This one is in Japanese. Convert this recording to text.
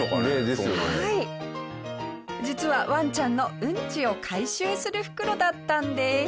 実はわんちゃんのうんちを回収する袋だったんです。